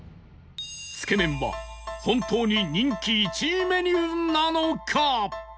つけめんは本当に人気１位メニューなのか？